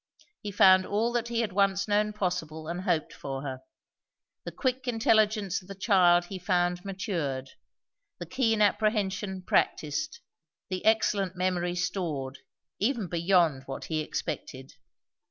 He found all that he had once known possible and hoped for her. The quick intelligence of the child he found matured; the keen apprehension practised; the excellent memory stored, even beyond what he expected.